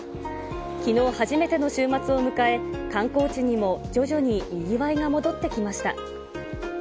きのう初めての週末を迎え、観光地にも徐々ににぎわいが戻ってきました。